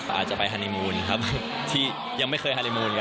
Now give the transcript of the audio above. อาจจะไปฮานิมูนที่ยังไม่เคยฮานิมูนกันครับ